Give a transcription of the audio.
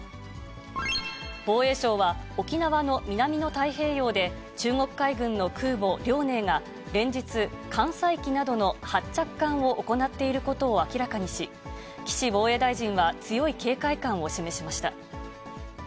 防衛省は、沖縄の南の太平洋で中国海軍の空母、遼寧が連日、艦載機などの発着艦を行っていることを明らかにし、岸防衛大臣は強い警戒感を示しました。